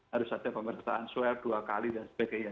harus ada pembersaan suara dua kali dan sebagainya